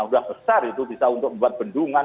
sudah besar itu bisa untuk membuat bendungan